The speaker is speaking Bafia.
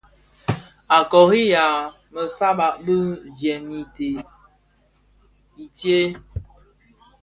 A kôriha më sàbà bi jèm i tsee.